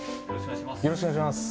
よろしくお願いします